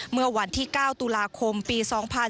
เมื่อวันที่๙ตุลาคมปี๒๕๕๙